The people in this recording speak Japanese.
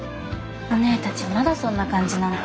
おねぇたちまだそんな感じなんだ。